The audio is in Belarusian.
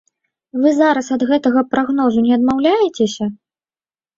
Вы зараз ад гэтага прагнозу не адмаўляецеся?